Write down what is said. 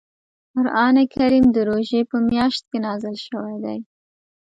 قران کریم د روژې په میاشت کې نازل شوی دی .